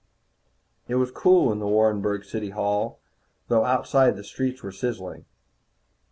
It was cool in the Warrenburg city hall, though outside the streets were sizzling.